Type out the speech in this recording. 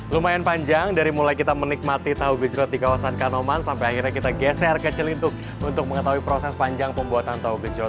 lumayan panjang dari mulai kita menikmati tahu gejrot di kawasan kanoman sampai akhirnya kita geser ke celituk untuk mengetahui proses panjang pembuatan tahu gejot